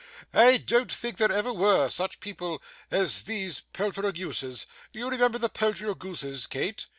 I don't think that there ever were such people as those Peltiroguses. You remember the Peltiroguses, Kate?